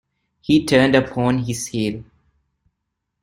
He turned upon his heel.